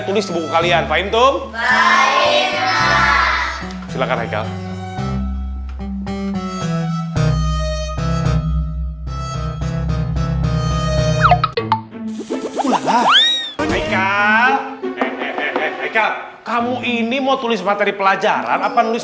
tulis buku kalian fahim tum silakan haikal haikal kamu ini mau tulis materi pelajaran apa nulis